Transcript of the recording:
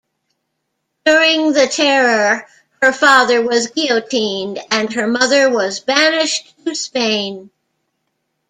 During the Terror her father was guillotined, and her mother was banished to Spain.